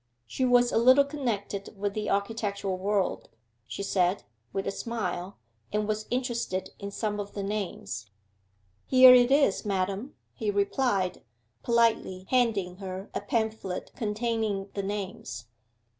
She was a little connected with the architectural world, she said, with a smile, and was interested in some of the names. 'Here it is, madam,' he replied, politely handing her a pamphlet containing the names.